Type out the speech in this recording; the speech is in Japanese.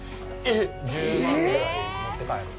１０万ぐらい持って帰る。